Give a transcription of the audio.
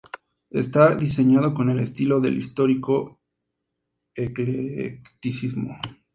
Está diseñado con el estilo del histórico eclecticismo.